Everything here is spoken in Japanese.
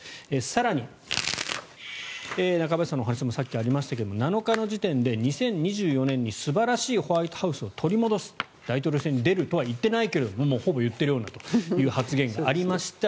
更に、中林さんのお話にもさっきありましたが７日の時点で２０２４年に素晴らしいホワイトハウスを取り戻す大統領選に出るとはいっていないけれどもほぼ言っているようだという発言がありました。